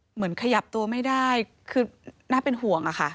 เหมือนขยับตัวไม่ได้คือน่าเป็นห่วงอะค่ะ